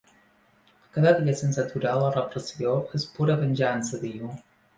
Cada dia sense aturar la repressió és pura venjança, diu.